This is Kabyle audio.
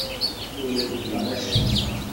Ur reggleɣ acemma.